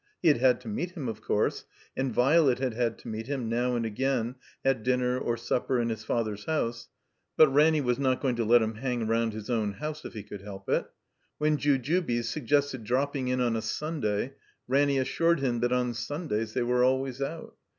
He had had to meet him, of course, and Violet had had to meet him, now and again at dinner or supper in his father's house; but Ranny was not going to let him hang round his own house if he could help it. When Jujubes suggested dropping in on a Sunday, Ranny assured him that on Sundays they were always out.